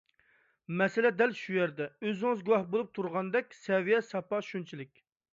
مەسىلە دەل شۇ يەردە. ئۆزىڭىز گۇۋاھ بولۇپ تۇرغاندەك سەۋىيە - ساپا شۇنچىلىك.